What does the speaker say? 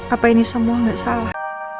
apa ini semua nggak salah